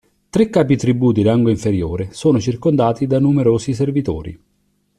Tre capi tribù di rango inferiore sono circondati da numerosi servitori.